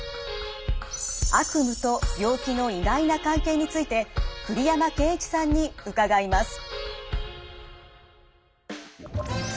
悪夢と病気の意外な関係について栗山健一さんに伺います。